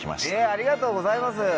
ありがとうございます！